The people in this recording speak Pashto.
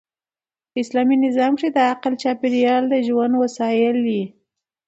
په اسلامي نظام کښي د عقل چاپېریال د ژوند وسایل يي.